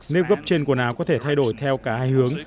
nước gấp trên quần áo có thể thay đổi theo cả hai hướng